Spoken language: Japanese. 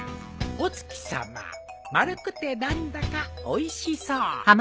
「お月さま丸くて何だかおいしそう」